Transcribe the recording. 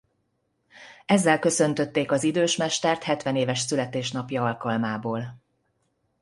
Ezzel köszöntötték az idős mestert hetvenéves születésnapja alkalmából.